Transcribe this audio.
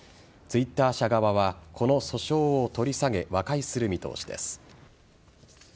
Ｔｗｉｔｔｅｒ社側はこの訴訟を取り下げ和解する見通しです。